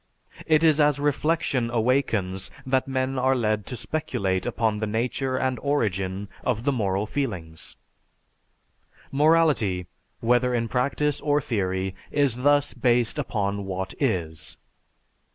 It is as reflection awakens that men are led to speculate upon the nature and origin of the moral feelings. Morality, whether in practice or theory, is thus based upon what is.